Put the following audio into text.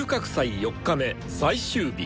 ４日目最終日脱落。